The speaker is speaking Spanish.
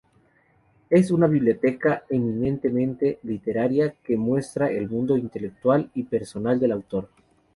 Es una biblioteca eminentemente literaria que muestra el mundo intelectual y personal del autor.